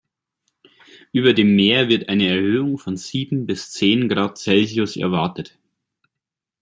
Über dem Meer wird eine Erhöhung von sieben bis zehn Grad Celsius erwartet.